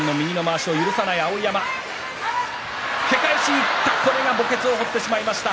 け返しにいった、墓穴を掘ってしまいました。